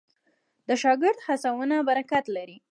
د شاګرد هڅونه برکت لري.